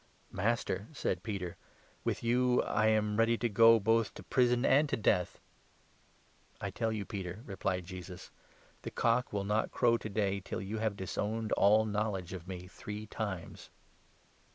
" Master," said Peter, " with you I am ready to go both to 33 prison and to death." " I tell you, Peter," replied Jesus, "the cock will not crow 34 to day till you have disowned all knowledge of me three times."